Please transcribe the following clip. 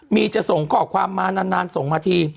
มีจะส่งข้อความมานานส่งมาที